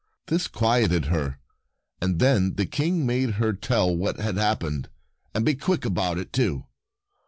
This quieted her, and then the King made her tell what had hap pened, and be quick about it, too.